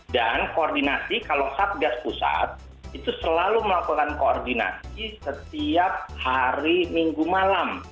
dan koordinasi kalau satgas pusat itu selalu melakukan koordinasi setiap hari minggu malam